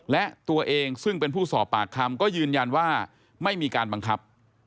และตัวเองซึ่งเป็นผู้สอบปากคำก็ยืนยันว่าไม่มีการบังคับ